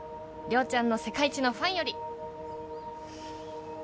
「亮ちゃんの世界一のファンより」